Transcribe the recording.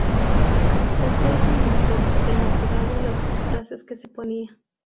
Se hacía admirar por su tenacidad de los disfraces que se ponía.